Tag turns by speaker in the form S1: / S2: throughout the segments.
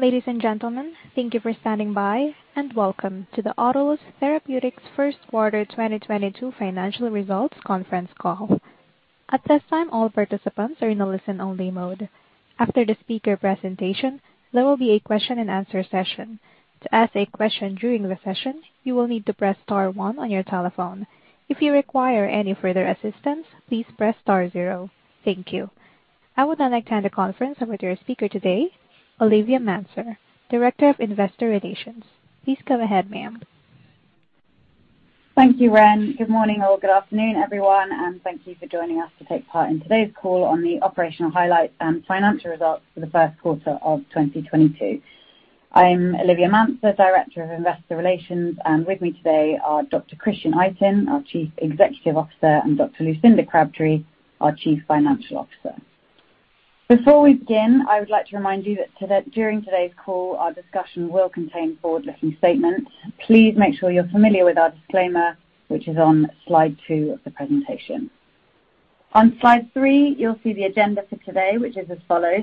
S1: Ladies and gentlemen, thank you for standing by, and welcome to the Autolus Therapeutics first quarter 2022 financial results conference call. At this time, all participants are in a listen-only mode. After the speaker presentation, there will be a question and answer session. To ask a question during the session, you will need to press star one on your telephone. If you require any further assistance, please press star zero. Thank you. I would now like to hand the conference over to our speaker today, Olivia Manser, Director of Investor Relations. Please go ahead, ma'am.
S2: Thank you, Ren. Good morning or good afternoon, everyone, and thank you for joining us to take part in today's call on the operational highlights and financial results for the first quarter of 2022. I'm Olivia Manser, Director of Investor Relations, and with me today are Dr. Christian Itin, our Chief Executive Officer, and Dr. Lucinda Crabtree, our Chief Financial Officer. Before we begin, I would like to remind you that during today's call, our discussion will contain forward-looking statements. Please make sure you're familiar with our disclaimer, which is on slide two of the presentation. On slide three, you'll see the agenda for today, which is as follows.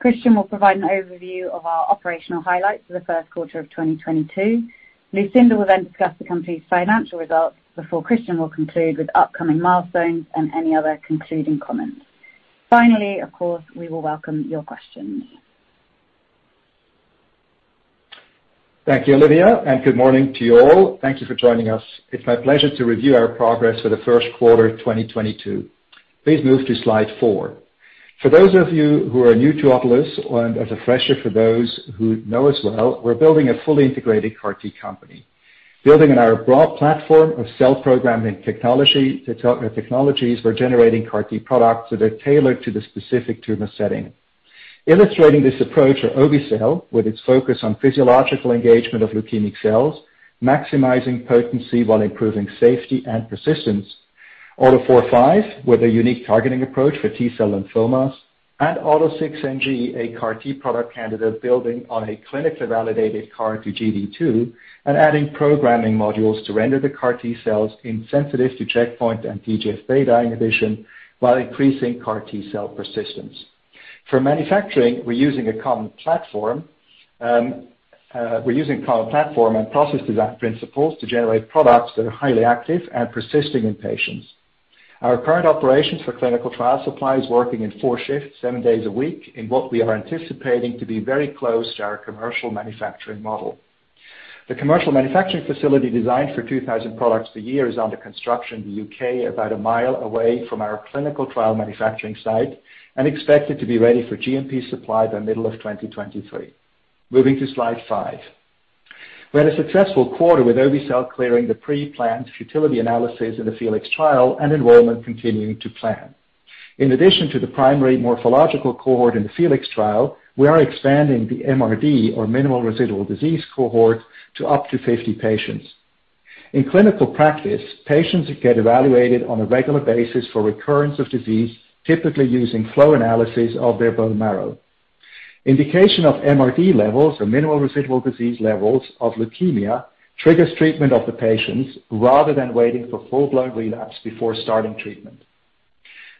S2: Christian will provide an overview of our operational highlights for the first quarter of 2022. Lucinda will then discuss the company's financial results before Christian will conclude with upcoming milestones and any other concluding comments. Finally, of course, we will welcome your questions.
S3: Thank you, Olivia, and good morning to you all. Thank you for joining us. It's my pleasure to review our progress for the first quarter of 2022. Please move to slide four. For those of you who are new to Autolus and as a refresher for those who know us well, we're building a fully integrated CAR T company. Building on our broad platform of cell programming technologies, we're generating CAR T products that are tailored to the specific tumor setting. Illustrating this approach are obe-cel, with its focus on physiological engagement of leukemic cells, maximizing potency while improving safety and persistence. AUTO4 or AUTO5, with a unique targeting approach for T-cell lymphomas, and AUTO6NG, a CAR T product candidate building on a clinically validated CAR to GD2 and adding programming modules to render the CAR T cells insensitive to checkpoint and TGFβ inhibition while increasing CAR T-cell persistence. For manufacturing, we're using a common platform and process design principles to generate products that are highly active at persisting in patients. Our current operations for clinical trial supply is working in four shifts, seven days a week, in what we are anticipating to be very close to our commercial manufacturing model. The commercial manufacturing facility designed for 2,000 products per year is under construction in the U.K., about a mile away from our clinical trial manufacturing site, and expected to be ready for GMP supply by middle of 2023. Moving to slide five. We had a successful quarter with obe-cel clearing the pre-planned futility analysis in the FELIX trial and enrollment continuing to plan. In addition to the primary morphological cohort in the FELIX trial, we are expanding the MRD or minimal residual disease cohort to up to 50 patients. In clinical practice, patients get evaluated on a regular basis for recurrence of disease, typically using flow analysis of their bone marrow. Indication of MRD levels or minimal residual disease levels of leukemia triggers treatment of the patients rather than waiting for full-blown relapse before starting treatment.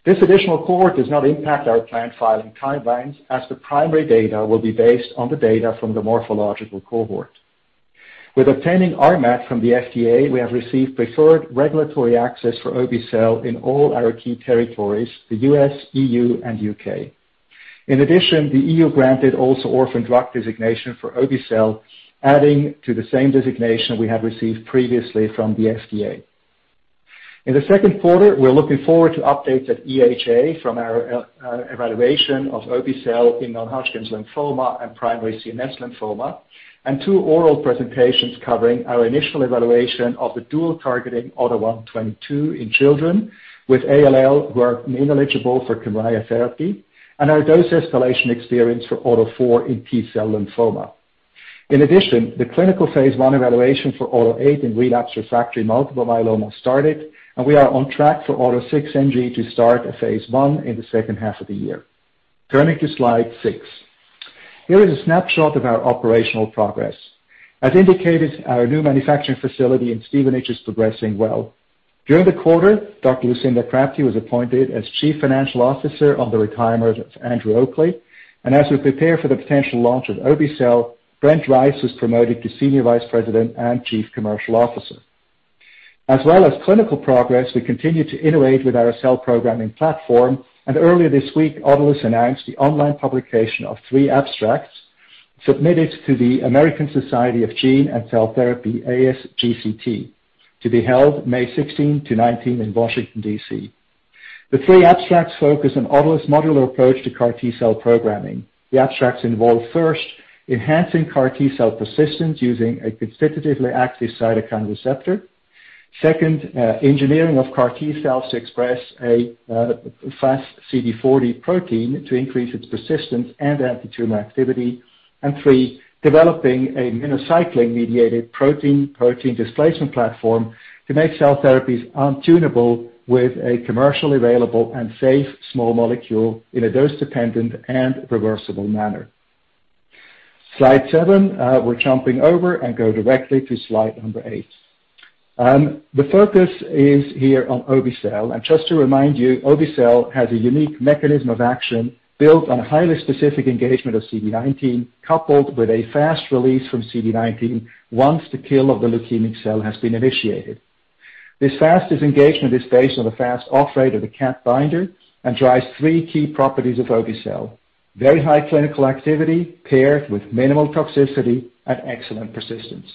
S3: This additional cohort does not impact our planned filing timelines, as the primary data will be based on the data from the morphological cohort. With obtaining RMAT from the FDA, we have received preferred regulatory access for obe-cel in all our key territories, the U.S., E.U., and U.K. In addition, the E.U. granted also orphan drug designation for obe-cel, adding to the same designation we have received previously from the FDA. In the second quarter, we're looking forward to updates at EHA from our evaluation of obe-cel in non-Hodgkin's lymphoma and primary CNS lymphoma, and two oral presentations covering our initial evaluation of the dual targeting AUTO1/22 in children with ALL who are ineligible for Kymriah therapy, and our dose escalation experience for AUTO4 in T-cell lymphoma. In addition, the clinical phase I evaluation for AUTO8 in relapsed refractory multiple myeloma started, and we are on track for AUTO6NG to start a phase I in the second half of the year. Turning to slide six. Here is a snapshot of our operational progress. As indicated, our new manufacturing facility in Stevenage is progressing well. During the quarter, Dr. Lucinda Crabtree was appointed as Chief Financial Officer on the retirement of Andrew Oakley. As we prepare for the potential launch of obe-cel, Brent Rice was promoted to Senior Vice President and Chief Commercial Officer. As well as clinical progress, we continue to innovate with our cell programming platform, and earlier this week, Autolus announced the online publication of three abstracts submitted to the American Society of Gene & Cell Therapy, ASGCT, to be held May 16 to May 19 in Washington, D.C. The three abstracts focus on Autolus' modular approach to CAR T-cell programming. The abstracts involve, first, enhancing CAR T-cell persistence using a constitutively active cytokine receptor. Second, engineering of CAR T-cells to express a Fas-CD40 protein to increase its persistence and antitumor activity. Three, developing a minocycline-mediated protein displacement platform to make cell therapies on-demand tunable with a commercially available and safe small molecule in a dose-dependent and reversible manner. Slide seven, we're jumping over and go directly to slide number eight. The focus is here on obe-cel. Just to remind you, obe-cel has a unique mechanism of action built on a highly specific engagement of CD19, coupled with a fast release from CD19 once the kill of the leukemic cell has been initiated. This fast engagement is based on the fast off-rate of the CAT binder and drives three key properties of obe-cel, very high clinical activity paired with minimal toxicity and excellent persistence.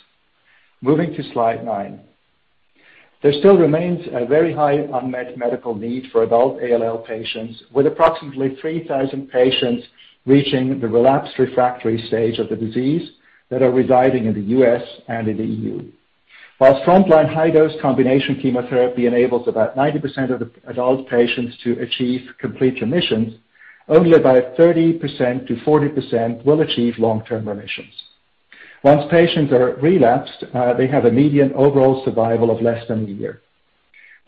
S3: Moving to slide nine. There still remains a very high unmet medical need for adult ALL patients, with approximately 3,000 patients reaching the relapsed refractory stage of the disease that are residing in the U.S. and in the E.U. While frontline high dose combination chemotherapy enables about 90% of the adult patients to achieve complete remissions, only about 30%-40% will achieve long-term remissions. Once patients are relapsed, they have a median overall survival of less than a year.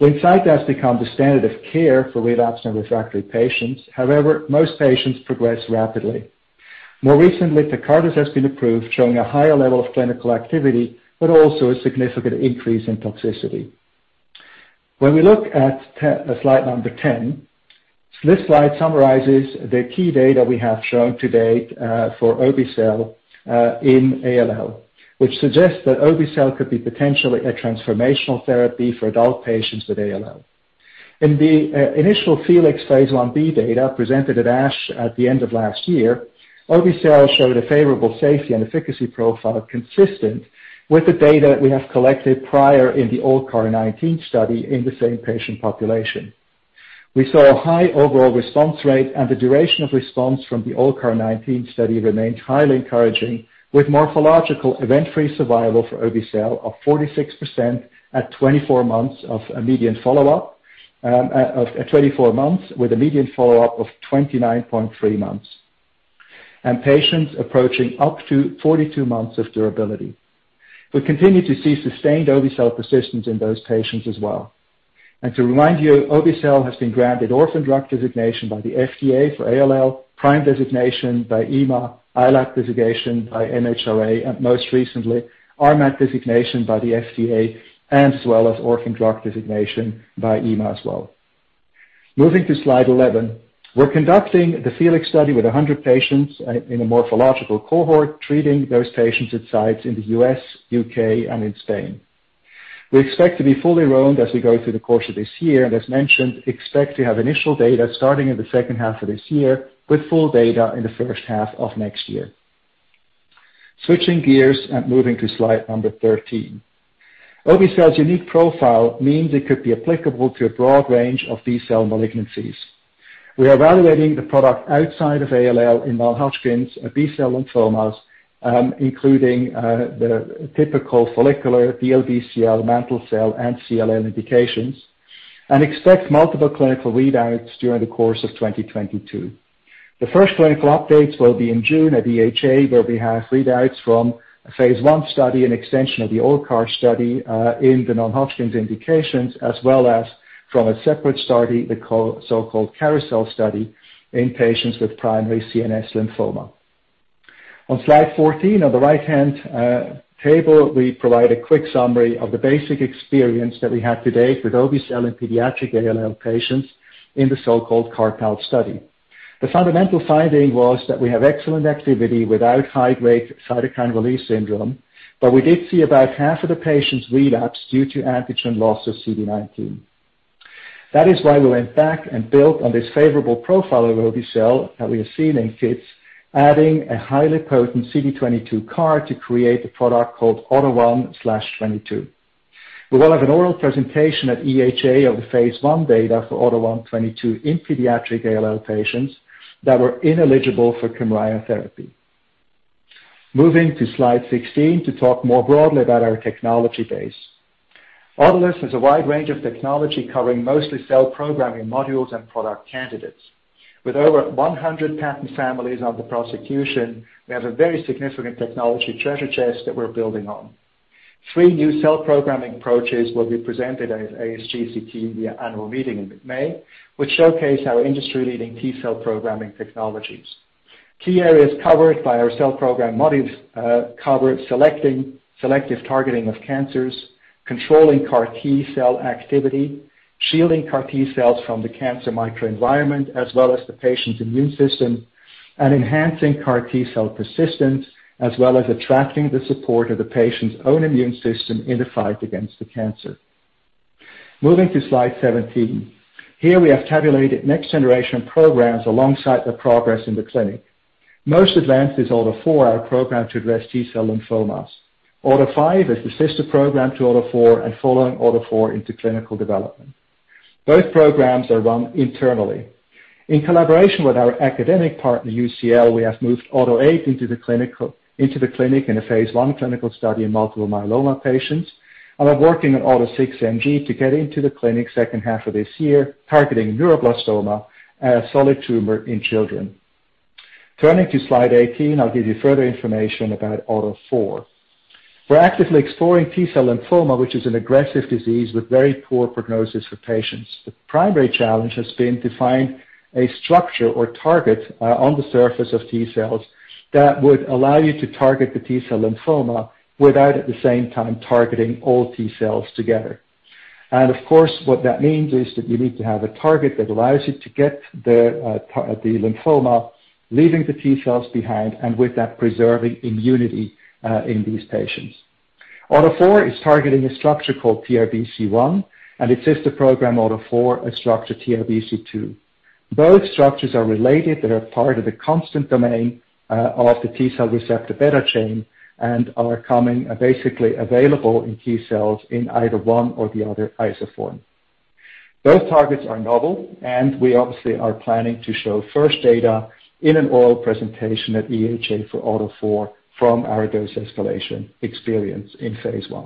S3: Blincyto has become the standard of care for relapsed and refractory patients. However, most patients progress rapidly. More recently, Tecartus has been approved, showing a higher level of clinical activity, but also a significant increase in toxicity. When we look at slide number 10, this slide summarizes the key data we have shown to date for obe-cel in ALL, which suggests that obe-cel could be potentially a transformational therapy for adult patients with ALL. In the initial FELIX phase I-B data presented at ASH at the end of last year, obe-cel showed a favorable safety and efficacy profile consistent with the data we have collected prior in the older CAR19 study in the same patient population. We saw a high overall response rate and the duration of response from the older CAR19 study remained highly encouraging, with morphological event-free survival for obe-cel of 46% at 24 months with a median follow-up of 29.3 months, and patients approaching up to 42 months of durability. We continue to see sustained obe-cel persistence in those patients as well. To remind you, obe-cel has been granted Orphan Drug Designation by the FDA for ALL, PRIME designation by EMA, ILAP designation by MHRA, and most recently, RMAT designation by the FDA, and as well as Orphan Drug Designation by EMA as well. Moving to slide 11. We're conducting the FELIX study with 100 patients in a morphologic cohort, treating those patients at sites in the U.S., U.K., and in Spain. We expect to be fully enrolled as we go through the course of this year, and as mentioned, expect to have initial data starting in the second half of this year, with full data in the first half of next year. Switching gears and moving to slide number 13. Obe-cel's unique profile means it could be applicable to a broad range of B-cell malignancies. We are evaluating the product outside of ALL in non-Hodgkin's B-cell lymphomas, including the typical follicular DLBCL mantle cell and CLL indications, and expect multiple clinical readouts during the course of 2022. The first clinical updates will be in June at EHA, where we have readouts from a phase I study and extension of the old CAR study in the non-Hodgkin's indications, as well as from a separate study, the so-called CAROUSEL study, in patients with primary CNS lymphoma. On slide 14, on the right-hand table, we provide a quick summary of the basic experience that we have to date with obe-cel in pediatric ALL patients in the so-called FELIX study. The fundamental finding was that we have excellent activity without high-grade cytokine release syndrome, but we did see about half of the patients relapse due to antigen loss of CD19. That is why we went back and built on this favorable profile of obe-cel that we have seen in kids, adding a highly potent CD22 CAR to create a product called AUTO1/22. We will have an oral presentation at EHA of the phase I data for AUTO1/22 in pediatric ALL patients that were ineligible for Kymriah therapy. Moving to slide 16 to talk more broadly about our technology base. Autolus has a wide range of technology covering mostly cell programming modules and product candidates. With over 100 patent families under prosecution, we have a very significant technology treasure chest that we're building on. Three new cell programming approaches will be presented at ASGCT, the annual meeting in May, which showcase our industry-leading T-cell programming technologies. Key areas covered by our cell program modules cover selective targeting of cancers, controlling CAR T-cell activity, shielding CAR T-cells from the cancer microenvironment, as well as the patient's immune system, and enhancing CAR T-cell persistence, as well as attracting the support of the patient's own immune system in the fight against the cancer. Moving to slide 17. Here we have tabulated next-generation programs alongside the progress in the clinic. Most advanced is AUTO4, our program to address T-cell lymphomas. AUTO5 is the sister program to AUTO4 and following AUTO4 into clinical development. Both programs are run internally. In collaboration with our academic partner, UCL, we have moved AUTO8 into the clinical, into the clinic in a phase I clinical study in multiple myeloma patients. I'm working on AUTO6NG to get into the clinic second half of this year, targeting neuroblastoma as solid tumor in children. Turning to slide 18, I'll give you further information about AUTO4. We're actively exploring T-cell lymphoma, which is an aggressive disease with very poor prognosis for patients. The primary challenge has been to find a structure or target on the surface of T-cells that would allow you to target the T-cell lymphoma without, at the same time, targeting all T-cells together. Of course, what that means is that you need to have a target that allows you to get the the lymphoma, leaving the T-cells behind, and with that preserving immunity in these patients. AUTO4 is targeting a structure called TRBC1, and it's just a program AUTO5 targets TRBC2. Both structures are related. They are part of the constant domain of the T-cell receptor beta chain and are commonly available in T-cells in either one or the other isoform. Both targets are novel, and we obviously are planning to show first data in an oral presentation at EHA for AUTO4 from our dose escalation experience in phase I.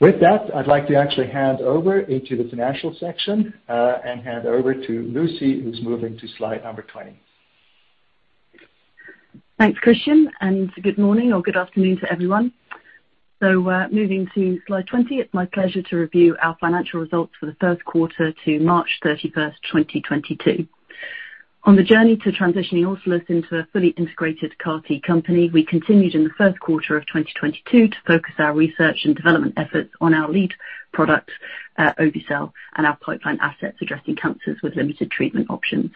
S3: With that, I'd like to actually hand over into the financial section, and hand over to Lucy, who's moving to slide number 20.
S4: Thanks, Christian, and good morning or good afternoon to everyone. Moving to slide 20, it's my pleasure to review our financial results for the first quarter to March 31st, 2022. On the journey to transitioning Autolus into a fully integrated CAR T company, we continued in the first quarter of 2022 to focus our research and development efforts on our lead product, obe-cel, and our pipeline assets addressing cancers with limited treatment options.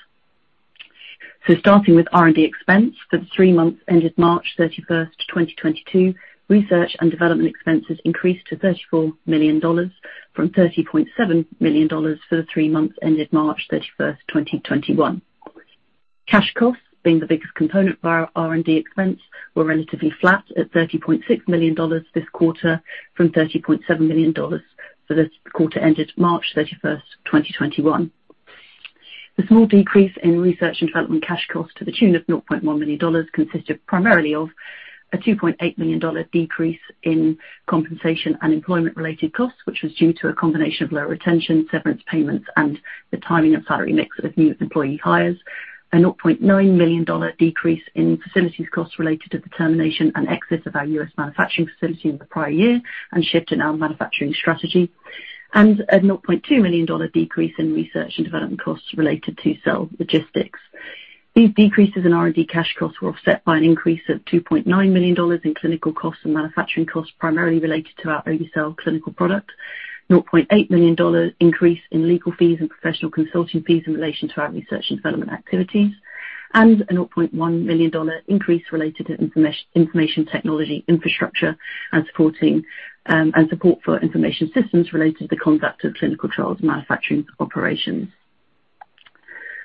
S4: Starting with R&D expense for the three months ended March 31st, 2022, research and development expenses increased to $34 million from $30.7 million for the three months ended March 31st, 2021. Cash costs, being the biggest component of our R&D expense, were relatively flat at $30.6 million this quarter from $30.7 million for the quarter ended March 31st, 2021. The small decrease in research and development cash costs to the tune of $0.1 million consisted primarily of a $2.8 million decrease in compensation and employment-related costs, which was due to a combination of lower retention, severance payments, and the timing of salary mix of new employee hires. A $0.9 million decrease in facilities costs related to the termination and exits of our U.S. manufacturing facility in the prior year and shift in our manufacturing strategy. A $0.2 million decrease in research and development costs related to cell logistics. These decreases in R&D cash costs were offset by an increase of $2.9 million in clinical costs and manufacturing costs, primarily related to our obe-cel clinical product. $0.8 million increase in legal fees and professional consulting fees in relation to our research and development activities. A $0.1 million increase related to information technology infrastructure and supporting and support for information systems related to the conduct of clinical trials and manufacturing operations.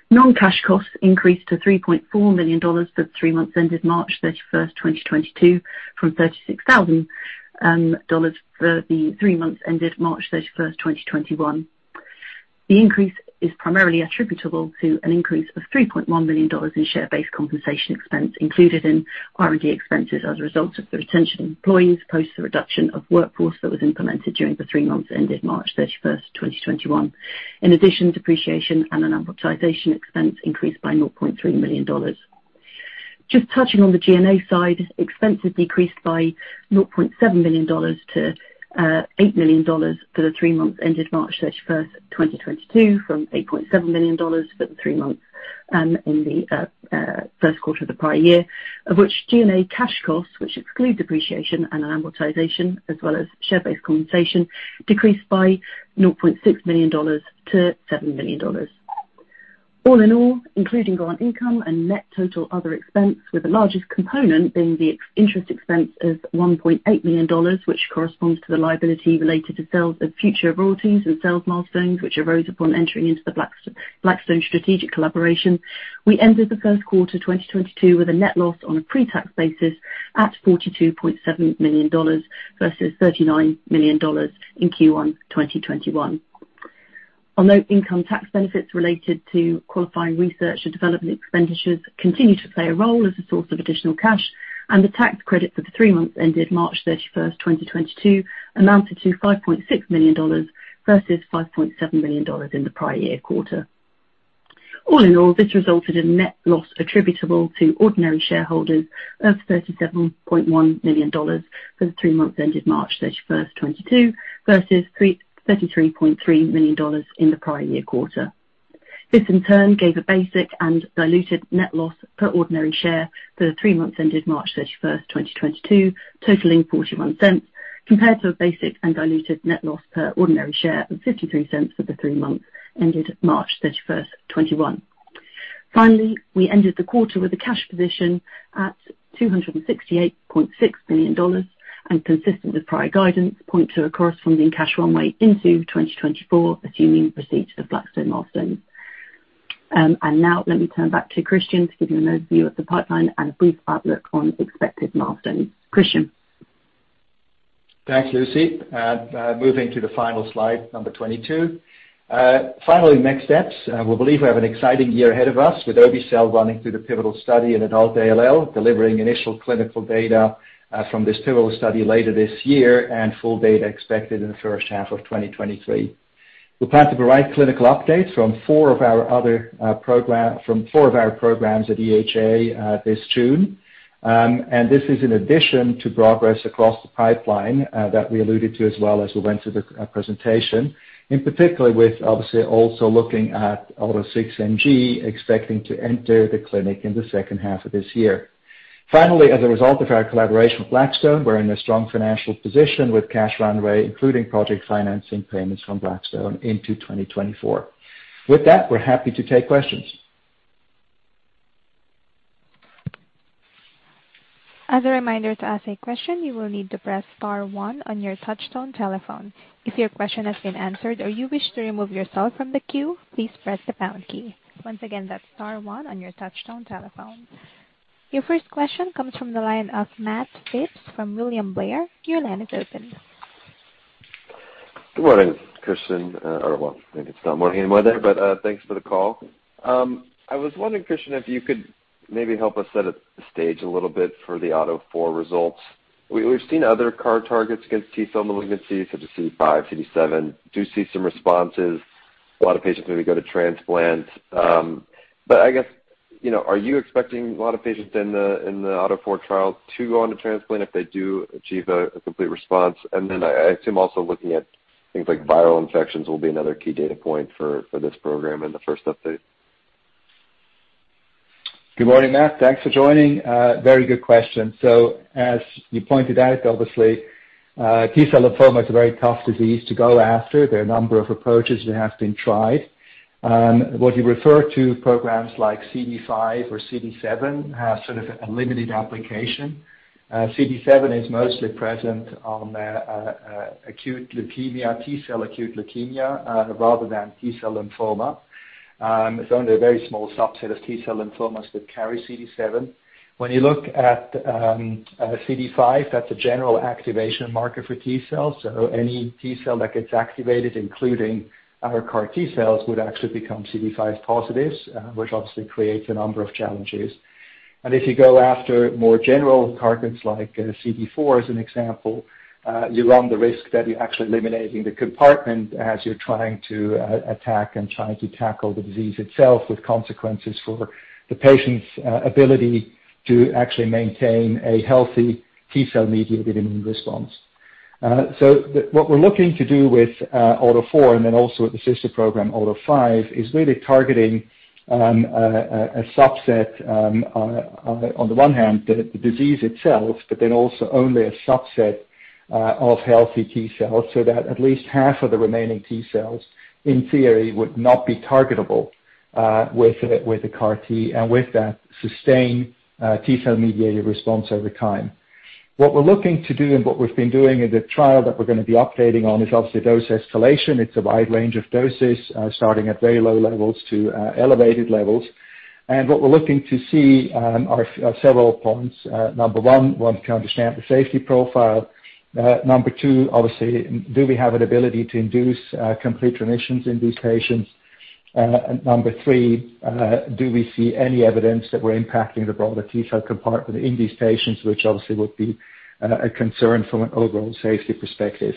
S4: Non-cash costs increased to $3.4 million for the three months ended March 31st, 2022, from $36,000 for the three months ended March 31st, 2021. The increase is primarily attributable to an increase of $3.1 million in share-based compensation expense included in R&D expenses as a result of the retention of employees post the reduction of workforce that was implemented during the three months ended March 31st, 2021. In addition, depreciation and amortization expense increased by $0.3 million. Just touching on the G&A side, expenses decreased by $0.7 million to $8 million for the three months ended March 31st, 2022, from $8.7 million for the three months in the first quarter of the prior year. Of which G&A cash costs, which exclude depreciation and amortization, as well as share-based compensation, decreased by $0.6 million to $7 million. All in all, including grant income and net total other expense, with the largest component being the interest expense of $1.8 million, which corresponds to the liability related to sales of future royalties and sales milestones which arose upon entering into the Blackstone strategic collaboration. We ended the first quarter 2022 with a net loss on a pre-tax basis at $42.7 million versus $39 million in Q1 2021. Although income tax benefits related to qualifying research and development expenditures continue to play a role as a source of additional cash, and the tax credit for the three months ended March 31st, 2022 amounted to $5.6 million versus $5.7 million in the prior year quarter. All in all, this resulted in net loss attributable to ordinary shareholders of $37.1 million for the three months ended March 31st, 2022, versus $33.3 million in the prior year quarter. This, in turn, gave a basic and diluted net loss per ordinary share for the three months ended March 31st, 2022, totaling $0.41, compared to a basic and diluted net loss per ordinary share of $0.53 for the three months ended March 31st, 2021. Finally, we ended the quarter with a cash position at $268.6 million, and consistent with prior guidance, pointing to a corresponding cash runway into 2024, assuming receipt of the Blackstone milestones. Now let me turn back to Christian to give you an overview of the pipeline and a brief outlook on expected milestones. Christian?
S3: Thanks, Lucy. Moving to the final slide, number 22. Finally, next steps. We believe we have an exciting year ahead of us with obe-cel running through the pivotal study in adult ALL, delivering initial clinical data from this pivotal study later this year and full data expected in the first half of 2023. We plan to provide clinical updates from four of our programs at EHA this June. This is in addition to progress across the pipeline that we alluded to as well as we went through the presentation, and particularly with obviously also looking at AUTO6NG expecting to enter the clinic in the second half of this year. Finally, as a result of our collaboration with Blackstone, we're in a strong financial position with cash runway, including project financing payments from Blackstone into 2024. With that, we're happy to take questions.
S1: As a reminder to ask a question, you will need to press star one on your touchtone telephone. If your question has been answered or you wish to remove yourself from the queue, please press the pound key. Once again, that's star one on your touchtone telephone. Your first question comes from the line of Matt Phipps from William Blair. Your line is open.
S5: Good morning, Christian. Or well, maybe it's not morning anymore there, but thanks for the call. I was wondering, Christian, if you could maybe help us set the stage a little bit for the AUTO4 results. We've seen other CAR T targets against T-cell malignancies such as CD5, CD7, do see some responses. A lot of patients maybe go to transplant. But I guess, you know, are you expecting a lot of patients in the AUTO4 trial to go on to transplant if they do achieve a complete response? I assume also looking at things like viral infections will be another key data point for this program and the first update.
S3: Good morning, Matt. Thanks for joining. Very good question. As you pointed out, obviously, T-cell lymphoma is a very tough disease to go after. There are a number of approaches that have been tried. What you refer to programs like CD5 or CD7 have sort of a limited application. CD7 is mostly present on the acute leukemia, T-cell acute leukemia, rather than T-cell lymphoma. It's only a very small subset of T-cell lymphomas that carry CD7. When you look at CD5, that's a general activation marker for T cells. Any T-cell that gets activated, including our CAR T cells, would actually become CD5 positives, which obviously creates a number of challenges. If you go after more general targets like CD4 as an example, you run the risk that you're actually eliminating the compartment as you're trying to attack and trying to tackle the disease itself with consequences for the patient's ability to actually maintain a healthy T-cell mediated immune response. What we're looking to do with AUTO4 and then also with the sister program, AUTO5, is really targeting a subset, on the one hand, the disease itself, but then also only a subset of healthy T-cells so that at least half of the remaining T-cells, in theory, would not be targetable with the CAR T and with that sustained T-cell mediated response over time. What we're looking to do and what we've been doing in the trial that we're gonna be updating on is obviously dose escalation. It's a wide range of doses, starting at very low levels to elevated levels. What we're looking to see are several points. Number one, want to understand the safety profile. Number two, obviously, do we have an ability to induce complete remissions in these patients? Number three, do we see any evidence that we're impacting the broader T-cell compartment in these patients, which obviously would be a concern from an overall safety perspective.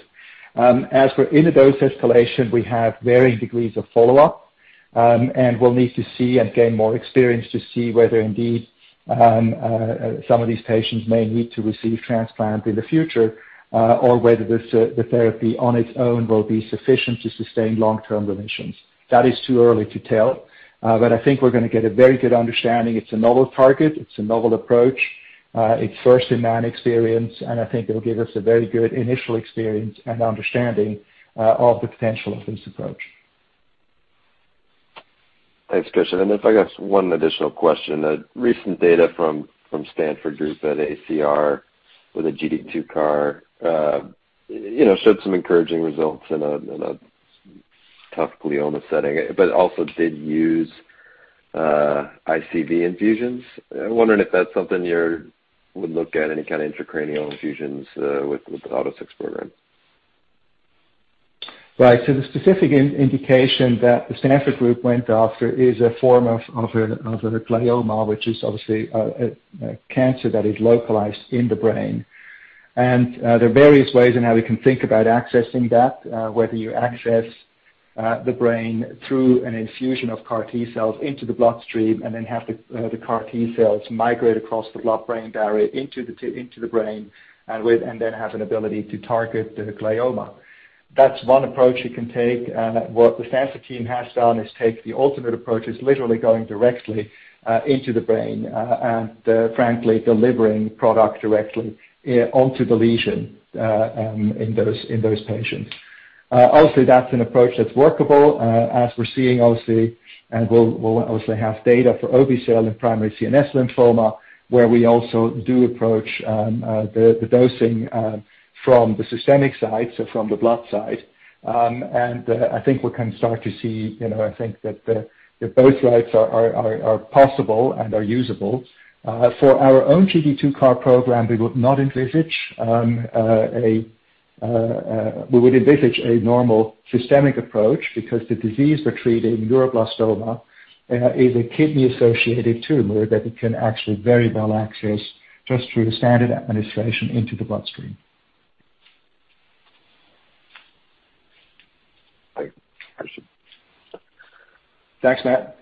S3: As for in the dose escalation, we have varying degrees of follow-up, and we'll need to see and gain more experience to see whether indeed, some of these patients may need to receive transplant in the future, or whether this, the therapy on its own will be sufficient to sustain long-term remissions. That is too early to tell, but I think we're gonna get a very good understanding. It's a novel target. It's a novel approach. It's first in that experience, and I think it'll give us a very good initial experience and understanding, of the potential of this approach.
S5: Thanks, Christian. If I could ask one additional question. A recent data from Stanford group at AACR with a GD2 CAR showed some encouraging results in a tough glioma setting, but also did use ICV infusions. I'm wondering if that's something you would look at any kind of intracranial infusions with the AUTO6 program.
S3: Right. The specific indication that the Stanford group went after is a form of a glioma, which is obviously a cancer that is localized in the brain. There are various ways in how we can think about accessing that, whether you access the brain through an infusion of CAR T-cells into the bloodstream and then have the CAR T-cells migrate across the blood-brain barrier into the brain and then have an ability to target the glioma. That's one approach you can take. What the Stanford team has done is take the ultimate approach. It's literally going directly into the brain and frankly delivering product directly onto the lesion in those patients. Obviously, that's an approach that's workable, as we're seeing obviously and we'll have data for obe-cel and primary CNS lymphoma, where we also approach the dosing from the systemic side, so from the blood side. I think we can start to see, you know, I think that both routes are possible and are usable. For our own GD2 CAR program, we would envisage a normal systemic approach because the disease we're treating neuroblastoma is a kidney-associated tumor that can actually very well access just through the standard administration into the bloodstream.
S5: I see.
S3: Thanks, Matt.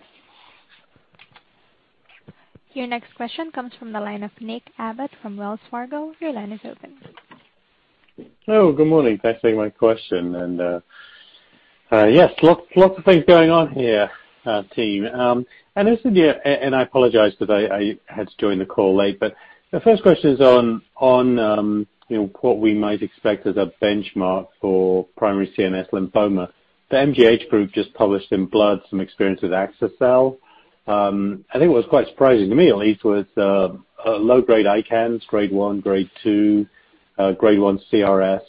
S1: Your next question comes from the line of Nick Abbott from Wells Fargo. Your line is open.
S6: Hello, good morning. Thanks for taking my question. Yes, lots of things going on here, team. I apologize that I had to join the call late, but the first question is on you know, what we might expect as a benchmark for primary CNS lymphoma. The MGH group just published in Blood some experience with axi-cell. I think it was quite surprising, to me at least, with low-grade ICANS, Grade 1, Grade 2, Grade 1 CRS.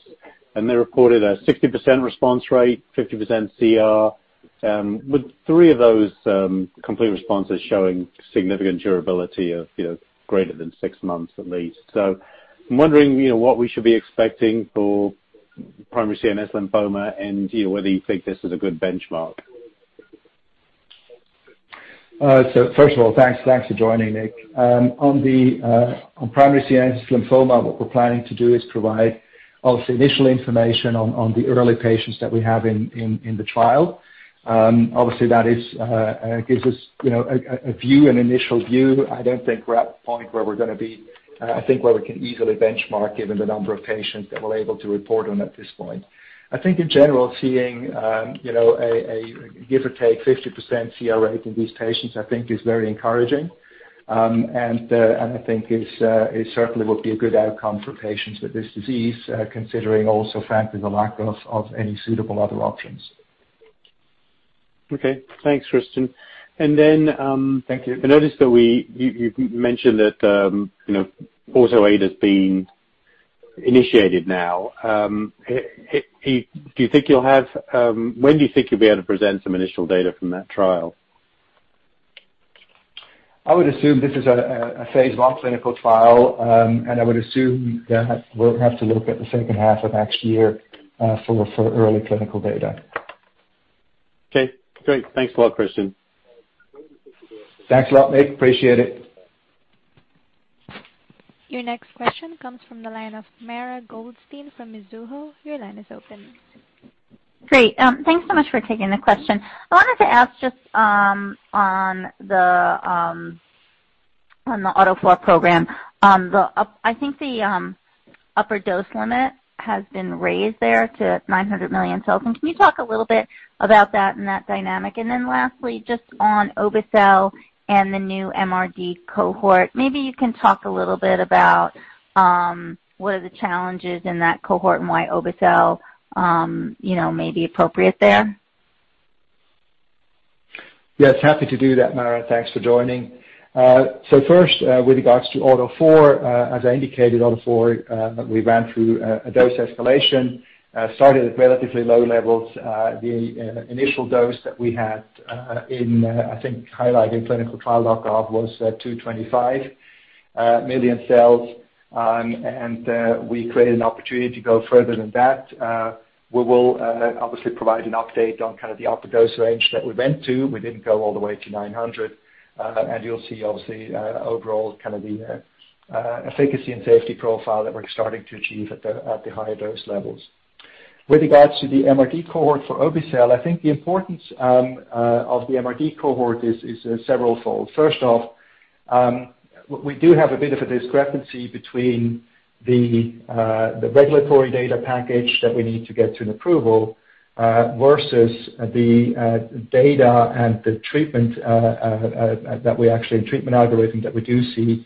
S6: They reported a 60% response rate, 50% CR, with three of those complete responses showing significant durability of, you know, greater than six months at least. I'm wondering, you know, what we should be expecting for primary CNS lymphoma and, you know, whether you think this is a good benchmark.
S3: First of all, thanks. Thanks for joining, Nick. On primary CNS lymphoma, what we're planning to do is provide, obviously, initial information on the early patients that we have in the trial. Obviously, that gives us, you know, a view, an initial view. I don't think we're at the point where we can easily benchmark given the number of patients that we're able to report on at this point. I think in general, seeing, you know, a give or take 50% CR rate in these patients, I think is very encouraging. I think is certainly would be a good outcome for patients with this disease, considering also factoring the lack of any suitable other options.
S6: Okay. Thanks, Christian.
S3: Thank you.
S6: I noticed that you mentioned that, you know, AUTO8 has been initiated now. When do you think you'll be able to present some initial data from that trial?
S3: I would assume this is a phase I clinical trial. I would assume that we'll have to look at the second half of next year for early clinical data.
S6: Okay, great. Thanks a lot, Christian.
S3: Thanks a lot, Nick. Appreciate it.
S1: Your next question comes from the line of Mara Goldstein from Mizuho. Your line is open.
S7: Great. Thanks so much for taking the question. I wanted to ask just on the AUTO4 program. I think the upper dose limit has been raised there to 900 million cells. Can you talk a little bit about that and that dynamic? Lastly, just on obe-cel and the new MRD cohort, maybe you can talk a little bit about what are the challenges in that cohort and why obe-cel you know may be appropriate there.
S3: Yes, happy to do that, Mara. Thanks for joining. So first, with regards to AUTO4, as I indicated, AUTO4, we ran through a dose escalation, started at relatively low levels. The initial dose that we had, I think highlighted in clinical trial update was 225 million cells. We created an opportunity to go further than that. We will obviously provide an update on kind of the upper dose range that we went to. We didn't go all the way to 900. You'll see obviously overall kind of the efficacy and safety profile that we're starting to achieve at the higher dose levels. With regards to the MRD cohort for obe-cel, I think the importance of the MRD cohort is severalfold. First off, we do have a bit of a discrepancy between the regulatory data package that we need to get to an approval versus the data and the treatment algorithm that we do see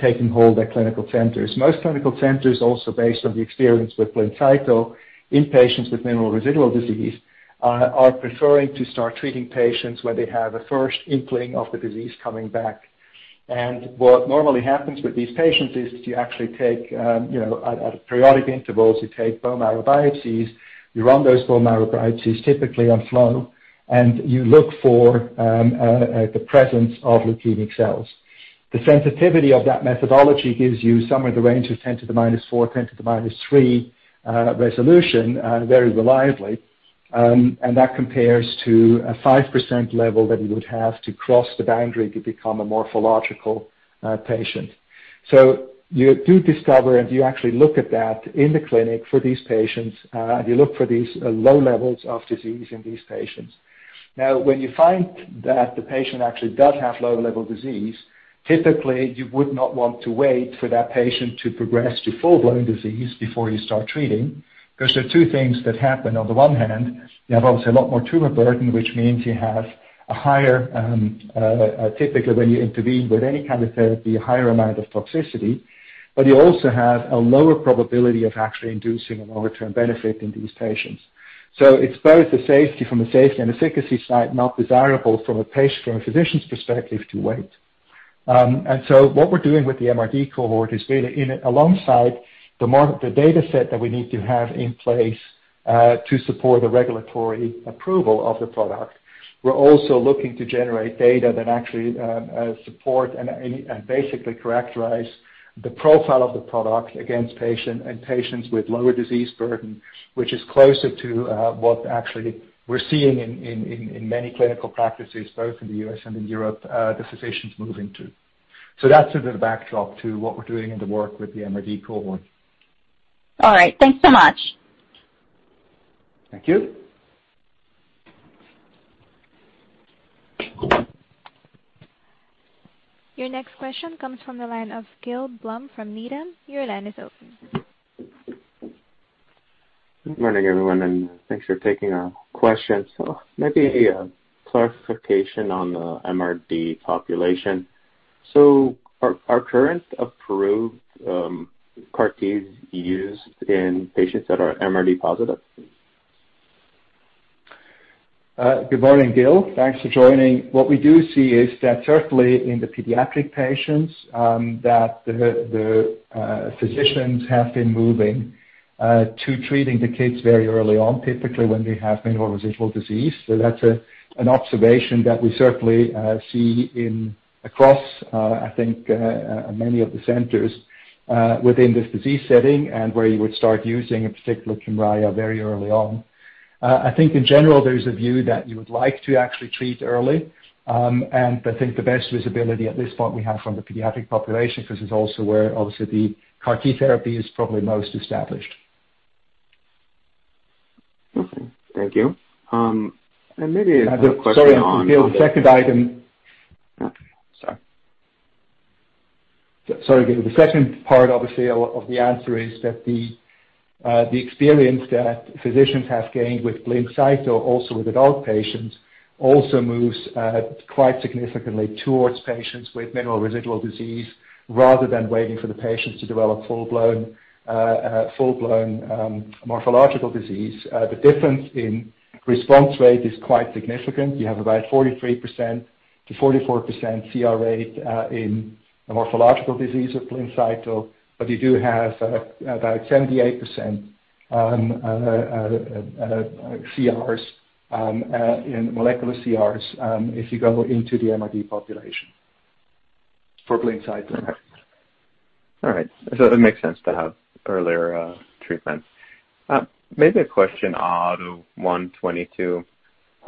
S3: taking hold at clinical centers. Most clinical centers, also based on the experience with Blincyto in patients with minimal residual disease, are preferring to start treating patients when they have a first inkling of the disease coming back. What normally happens with these patients is you actually take, you know, at periodic intervals, you take bone marrow biopsies, you run those bone marrow biopsies typically on flow, and you look for the presence of leukemic cells. The sensitivity of that methodology gives you somewhere in the range of 10 to -4, 10 to- 3 resolution, very reliably. That compares to a 5% level that you would have to cross the boundary to become a morphological patient. You do discover, and you actually look at that in the clinic for these patients, you look for these low levels of disease in these patients. Now, when you find that the patient actually does have low-level disease, typically, you would not want to wait for that patient to progress to full-blown disease before you start treating. 'Cause there are two things that happen. On the one hand, you have obviously a lot more tumor burden, which means you have a higher, typically when you intervene with any kind of therapy, a higher amount of toxicity, but you also have a lower probability of actually inducing a longer-term benefit in these patients. It's both from the safety and efficacy side, not desirable from a patient, from a physician's perspective to wait. What we're doing with the MRD cohort is really initiate alongside the dataset that we need to have in place, to support the regulatory approval of the product. We're also looking to generate data that actually support and basically characterize the profile of the product against patients with lower disease burden, which is closer to what actually we're seeing in many clinical practices, both in the U.S. and in Europe, the physicians moving to. That's a bit of backdrop to what we're doing in the work with the MRD cohort.
S7: All right. Thanks so much.
S3: Thank you.
S1: Your next question comes from the line of Gil Blum from Needham. Your line is open.
S8: Good morning, everyone, and thanks for taking our questions. Maybe a clarification on the MRD population. Are current approved CAR Ts used in patients that are MRD positive?
S3: Good morning, Gil. Thanks for joining. What we do see is that certainly in the pediatric patients, physicians have been moving to treating the kids very early on, typically when they have minimal residual disease. That's an observation that we certainly see across, I think, many of the centers, within this disease setting and where you would start using a particular Kymriah very early on. I think in general, there is a view that you would like to actually treat early. I think the best visibility at this point we have from the pediatric population, 'cause it's also where obviously the CAR T therapy is probably most established.
S8: Okay. Thank you. Maybe a question on-
S3: Sorry, Gil.
S8: Oh, sorry.
S3: Sorry, Gil. The second part, obviously, of the answer is that the experience that physicians have gained with Blincyto, also with adult patients, also moves quite significantly towards patients with minimal residual disease, rather than waiting for the patients to develop full-blown morphological disease. The difference in response rate is quite significant. You have about 43%-44% CR rate in the morphological disease of Blincyto, but you do have about 78% CRs in molecular CRs if you go into the MRD population for Blincyto.
S8: All right. It makes sense to have earlier treatment. Maybe a question on AUTO1/22.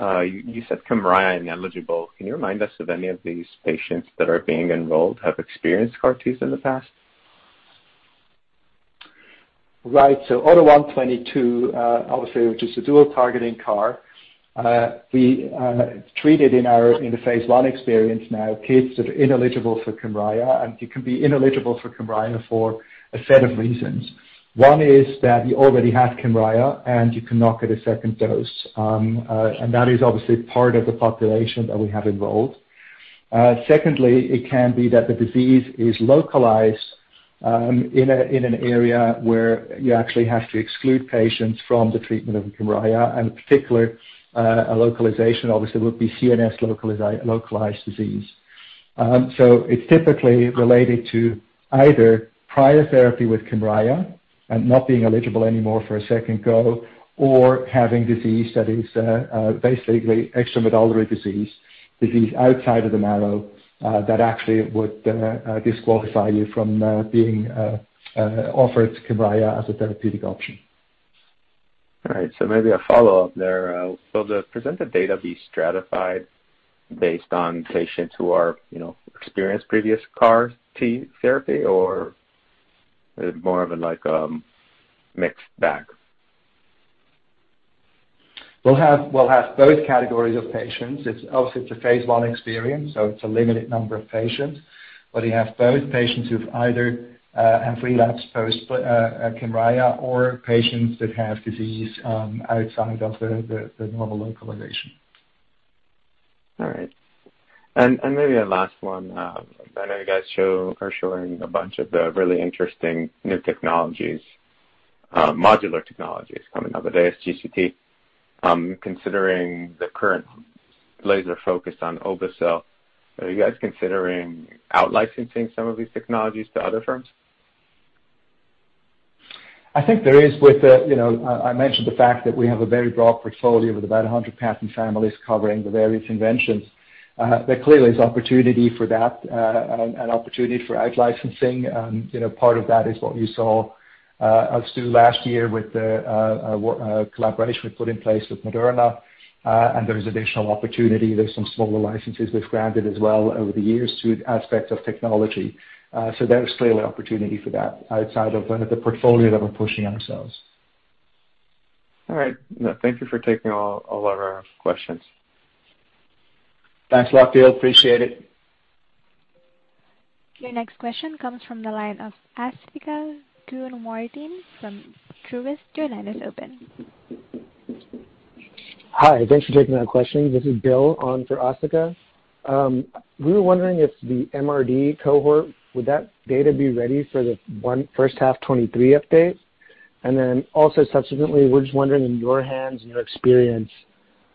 S8: You said Kymriah is ineligible. Can you remind us if any of these patients that are being enrolled have experienced CAR T's in the past?
S3: AUTO1/22, obviously, which is a dual targeting CAR T, we treated in our first-line experience now kids that are ineligible for Kymriah. You can be ineligible for Kymriah for a set of reasons. One is that you already have Kymriah, and you cannot get a second dose. That is obviously part of the population that we have enrolled. Secondly, it can be that the disease is localized in an area where you actually have to exclude patients from the treatment of Kymriah, and in particular, a localization obviously would be CNS localized disease. It's typically related to either prior therapy with Kymriah and not being eligible anymore for a second go or having disease that is basically extramedullary disease outside of the marrow, that actually would disqualify you from being offered Kymriah as a therapeutic option.
S8: All right. Maybe a follow-up there. Will the presented data be stratified based on patients who are, you know, experienced previous CAR T therapy, or is it more of a like, mixed bag?
S3: We'll have both categories of patients. It's obviously a phase I experience, so it's a limited number of patients. You have both patients who've either relapsed post Kymriah or patients that have disease outside of the normal localization.
S8: All right. Maybe a last one. I know you guys are showing a bunch of the really interesting new technologies, modular technologies coming up at ASGCT. Considering the current laser focus on obe-cel, are you guys considering out-licensing some of these technologies to other firms?
S3: You know, I mentioned the fact that we have a very broad portfolio with about 100 patent families covering the various inventions. There clearly is opportunity for that, and opportunity for out-licensing. You know, part of that is what you saw us do last year with the collaboration we put in place with Moderna. There's additional opportunity. There's some smaller licenses we've granted as well over the years to aspects of technology. There is clearly opportunity for that outside of the portfolio that we're pushing ourselves.
S8: All right. Thank you for taking all of our questions.
S3: Thanks a lot, Gil. Appreciate it.
S1: Your next question comes from the line of Asthika Goonewardene from Truist. Your line is open.
S9: Hi. Thanks for taking our question. This is Bill on for Asthika. We were wondering if the MRD cohort would that data be ready for the first half 2023 update? Also subsequently, we're just wondering, in your hands and your experience,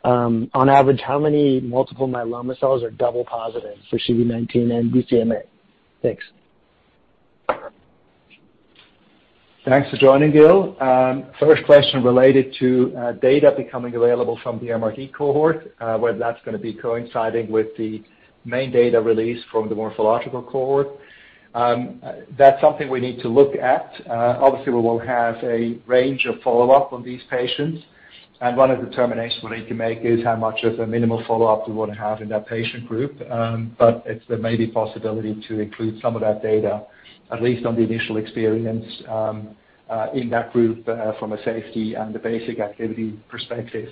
S9: on average, how many multiple myeloma cells are double positive for CD19 and BCMA? Thanks.
S3: Thanks for joining, Bill. First question related to data becoming available from the MRD cohort, whether that's gonna be coinciding with the main data release from the morphological cohort. That's something we need to look at. Obviously we will have a range of follow-up on these patients, and one of the determinations we'll need to make is how much of a minimal follow-up we wanna have in that patient group. There may be possibility to include some of that data, at least on the initial experience, in that group, from a safety and a basic activity perspective.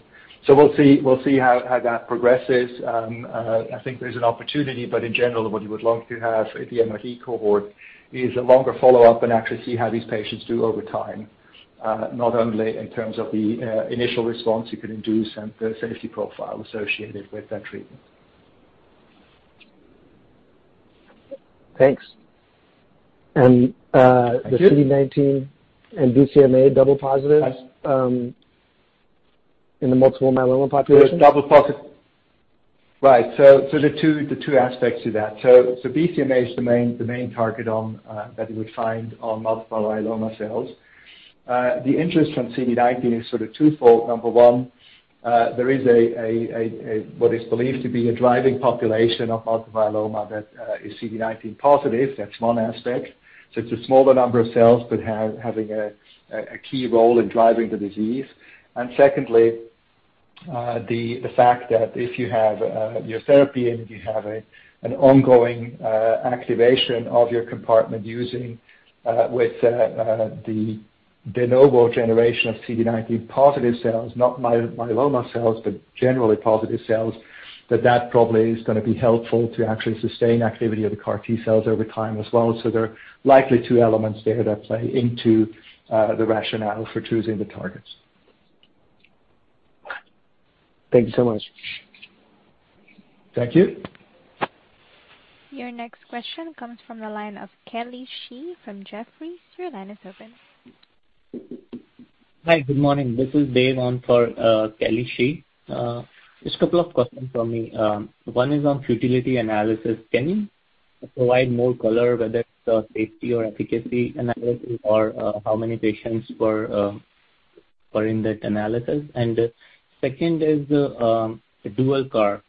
S3: We'll see how that progresses. I think there's an opportunity, but in general what you would love to have with the MRD cohort is a longer follow-up and actually see how these patients do over time, not only in terms of the initial response you can induce and the safety profile associated with that treatment.
S9: Thanks.
S3: Thank you.
S9: The CD19 and BCMA double positive-
S3: Yes.
S9: In the multiple myeloma population.
S3: Right. The two aspects to that. BCMA is the main target that you would find on multiple myeloma cells. The interest in CD19 is sort of twofold. Number one, there is what is believed to be a driving population of multiple myeloma that is CD19-positive. That's one aspect. It's a smaller number of cells, but having a key role in driving the disease. Secondly, the fact that if you have your therapy and if you have an ongoing activation of your compartment using with the de novo generation of CD19-positive cells, not myeloma cells, but generally positive cells, that probably is gonna be helpful to actually sustain activity of the CAR T-cells over time as well. There are likely two elements there that play into the rationale for choosing the targets.
S9: Thank you so much.
S3: Thank you.
S1: Your next question comes from the line of Kelly Shi from Jefferies. Your line is open.
S10: Hi. Good morning. This is Dev on for Kelly Shi. Just a couple of questions from me. One is on futility analysis. Can you provide more color whether it's safety or efficacy analysis or how many patients were in that analysis? Second is dual CAR.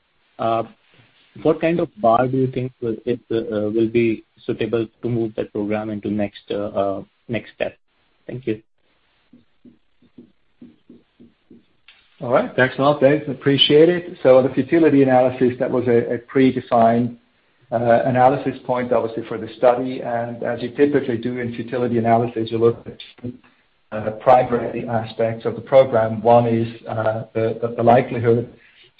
S10: What kind of bar do you think will be suitable to move that program into next step? Thank you.
S3: All right. Thanks a lot, Dev. Appreciate it. The futility analysis, that was a predefined analysis point, obviously, for the study. As you typically do in futility analysis, you look at primarily aspects of the program. One is the likelihood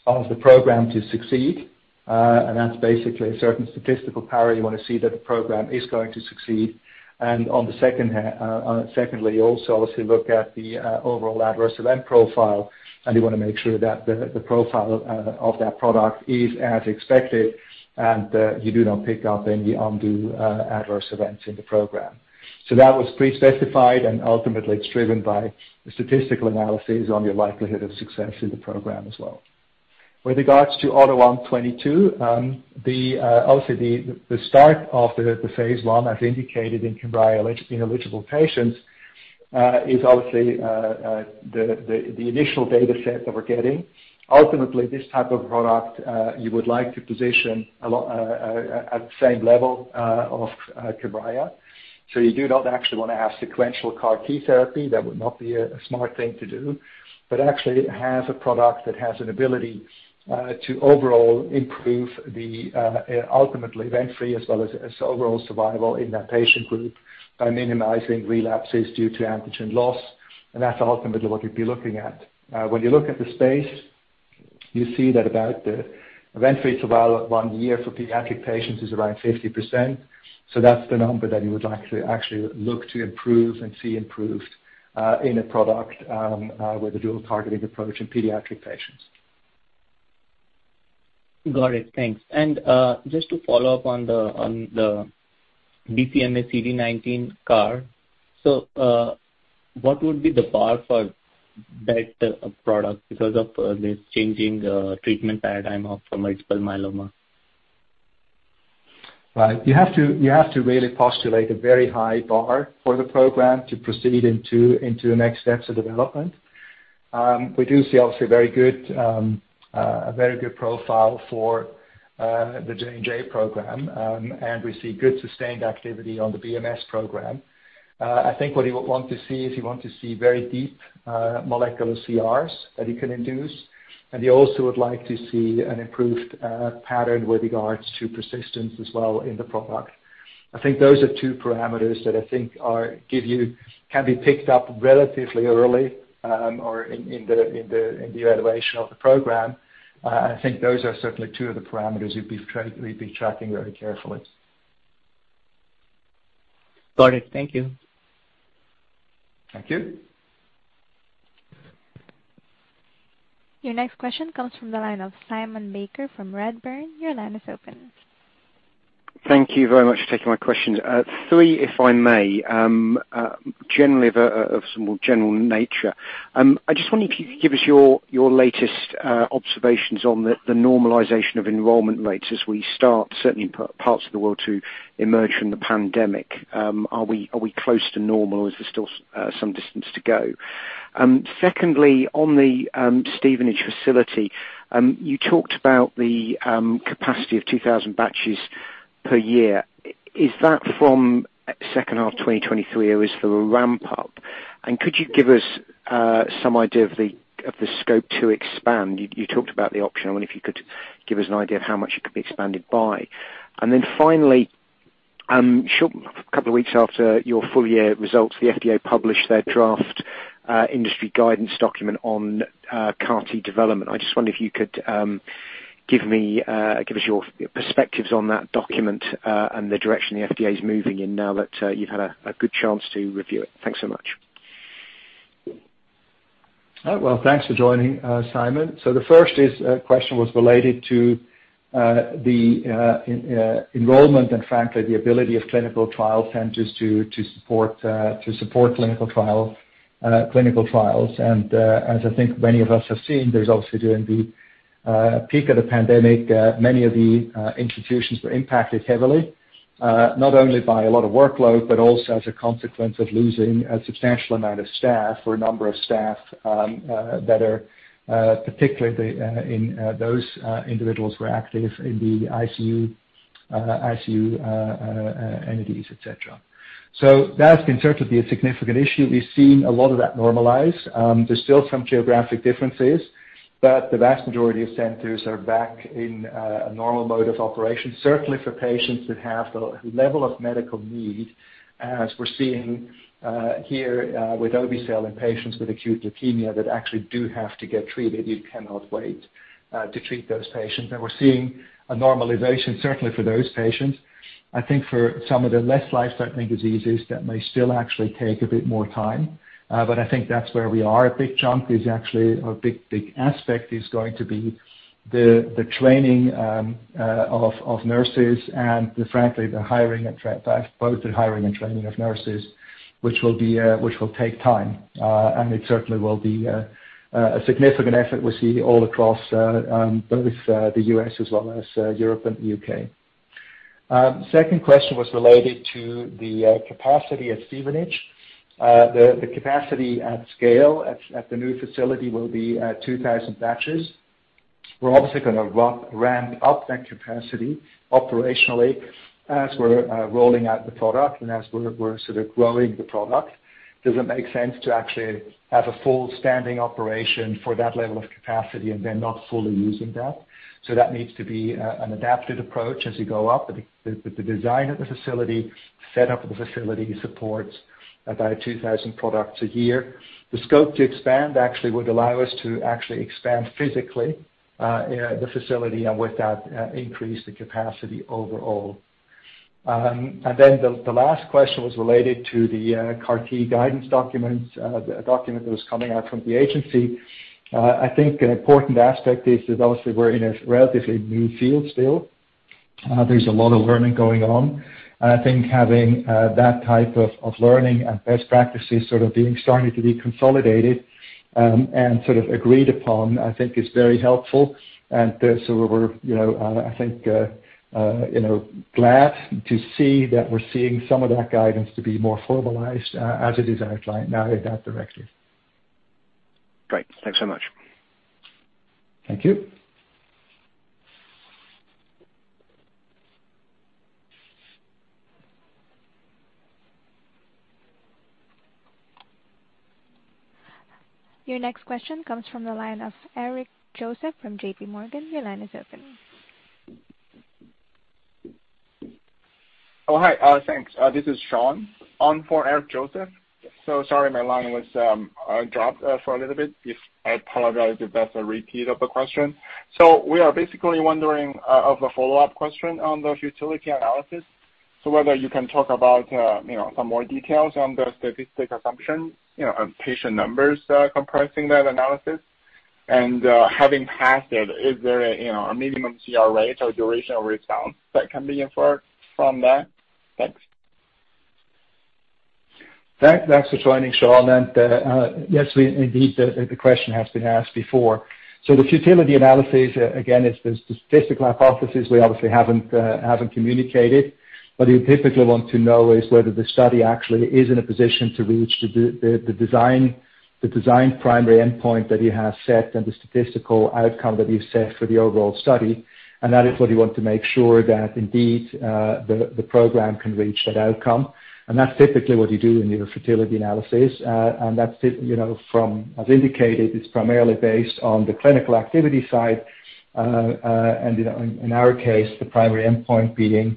S3: of the program to succeed, and that's basically a certain statistical power. You wanna see that the program is going to succeed. Secondly, you also obviously look at the overall adverse event profile, and you wanna make sure that the profile of that product is as expected, and you do not pick up any undue adverse events in the program. That was prespecified, and ultimately it's driven by the statistical analyses on your likelihood of success in the program as well. With regards to AUTO1/22, obviously the start of the phase I, as indicated in Kymriah eligible patients, is obviously the initial data set that we're getting. Ultimately, this type of product, you would like to position a lot at the same level of Kymriah. You do not actually wanna have sequential CAR T therapy. That would not be a smart thing to do. Actually have a product that has an ability to overall improve the ultimately event-free as well as overall survival in that patient group by minimizing relapses due to antigen loss, and that's ultimately what you'd be looking at. When you look at the space, you see that the event-free survival at one year for pediatric patients is around 50%. That's the number that you would like to actually look to improve and see improved in a product with a dual targeting approach in pediatric patients.
S10: Got it. Thanks. Just to follow up on the BCMA and CD19 CAR. What would be the bar for that product because of this changing treatment paradigm for multiple myeloma?
S3: Right. You have to really postulate a very high bar for the program to proceed into the next steps of development. We do see obviously very good, a very good profile for the J&J program, and we see good sustained activity on the BMS program. I think what you would want to see is you want to see very deep molecular CRs that you can induce, and you also would like to see an improved pattern with regards to persistence as well in the product. I think those are two parameters that I think can be picked up relatively early, or in the evaluation of the program. I think those are certainly two of the parameters we'd be tracking very carefully.
S10: Got it. Thank you.
S3: Thank you.
S1: Your next question comes from the line of Simon Baker from Redburn. Your line is open.
S11: Thank you very much for taking my questions. Three, if I may. Generally of a more general nature. I just wonder if you could give us your latest observations on the normalization of enrollment rates as we start, certainly in parts of the world, to emerge from the pandemic. Are we close to normal, or is there still some distance to go? Secondly, on the Stevenage facility, you talked about the capacity of 2000 batches per year. Is that from second half of 2023 or is there a ramp up? Could you give us some idea of the scope to expand? You talked about the option. I wonder if you could give us an idea of how much it could be expanded by. Finally, short couple of weeks after your full year results, the FDA published their draft industry guidance document on CAR T development. I just wondered if you could give us your perspectives on that document, and the direction the FDA is moving in now that you've had a good chance to review it. Thanks so much.
S3: Well, thanks for joining, Simon. The first is question was related to the enrollment and frankly, the ability of clinical trial centers to support clinical trials. As I think many of us have seen, there's obviously during the peak of the pandemic, many of the institutions were impacted heavily, not only by a lot of workload, but also as a consequence of losing a substantial amount of staff or a number of staff that are particularly the in those individuals who are active in the ICU entities, et cetera. That's been certainly a significant issue. We've seen a lot of that normalize. There's still some geographic differences, but the vast majority of centers are back in a normal mode of operation, certainly for patients that have the level of medical need as we're seeing here with obe-cel in patients with acute leukemia that actually do have to get treated. You cannot wait to treat those patients. We're seeing a normalization, certainly for those patients. I think for some of the less life-threatening diseases, that may still actually take a bit more time. But I think that's where we are. A big chunk is actually, or a big, big aspect is going to be the training of nurses and frankly, both the hiring and training of nurses, which will take time. It certainly will be a significant effort we see all across both the U.S. as well as Europe and the U.K. Second question was related to the capacity at Stevenage. The capacity at scale at the new facility will be at 2,000 batches. We're obviously gonna ramp up that capacity operationally as we're rolling out the product and as we're sort of growing the product. Doesn't make sense to actually have a full standing operation for that level of capacity and then not fully using that. That needs to be an adapted approach as you go up. The design of the facility, setup of the facility supports about 2,000 products a year. The scope to expand actually would allow us to actually expand physically, the facility and with that, increase the capacity overall. The last question was related to the CAR T guidance documents. The document that was coming out from the agency. I think an important aspect is obviously we're in a relatively new field still. There's a lot of learning going on. I think having that type of learning and best practices sort of being started to be consolidated and sort of agreed upon, I think is very helpful. We're, you know, I think, you know, glad to see that we're seeing some of that guidance to be more formalized as it is outlined now in that direction.
S11: Great. Thanks so much.
S3: Thank you.
S1: Your next question comes from the line of Eric Joseph from JPMorgan. Your line is open.
S12: Hi, thanks. This is Sean on for Eric Joseph. Sorry, my line was dropped for a little bit. I apologize if that's a repeat of the question. We are basically wondering about a follow-up question on the futility analysis. Whether you can talk about some more details on the statistical assumptions on patient numbers comprising that analysis. Having passed it, is there a minimum CR rate or duration of response that can be inferred from that? Thanks.
S3: Thanks for joining, Sean. Yes, indeed, the question has been asked before. The futility analysis, it's the statistical hypothesis we obviously haven't communicated. What you typically want to know is whether the study actually is in a position to reach the design primary endpoint that you have set and the statistical outcome that you've set for the overall study. That is what you want to make sure that indeed the program can reach that outcome. That's typically what you do in your futility analysis. That's it, you know, from as indicated, it's primarily based on the clinical activity side. In our case, the primary endpoint being the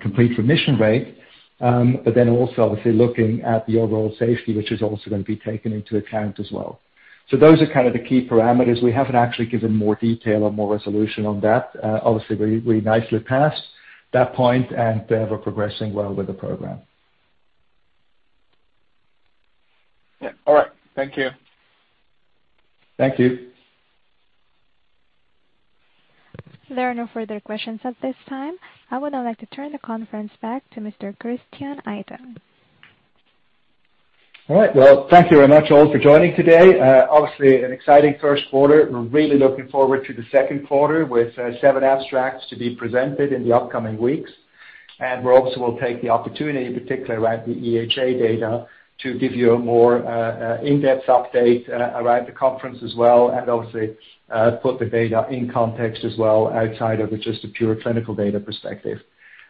S3: complete remission rate. Also obviously looking at the overall safety, which is also gonna be taken into account as well. Those are kind of the key parameters. We haven't actually given more detail or more resolution on that. Obviously, we nicely passed that point, and we're progressing well with the program.
S12: Yeah. All right. Thank you.
S3: Thank you.
S1: There are no further questions at this time. I would now like to turn the conference back to Mr. Christian Itin.
S3: All right. Well, thank you very much all for joining today. Obviously an exciting first quarter. We're really looking forward to the second quarter with seven abstracts to be presented in the upcoming weeks. We also will take the opportunity, in particular around the EHA data, to give you a more in-depth update around the conference as well, and obviously put the data in context as well outside of just a pure clinical data perspective.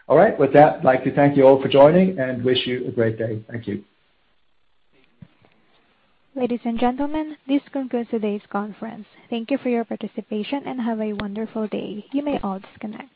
S3: All right. With that, I'd like to thank you all for joining, and wish you a great day. Thank you.
S1: Ladies and gentlemen, this concludes today's conference. Thank you for your participation, and have a wonderful day. You may all disconnect.